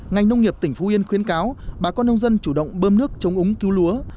ngành nông nghiệp tỉnh phú yên khuyến cáo bà con nông dân chủ động bơm nước chống úng cứu lúa